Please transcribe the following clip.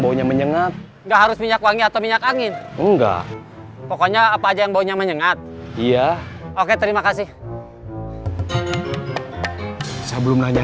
baunya menyengat nggak harus minyak wangi atau minyak angin enggak pokoknya apa aja yang baunya